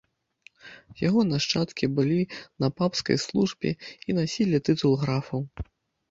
Яго нашчадкі былі на папскай службе і насілі тытул графаў.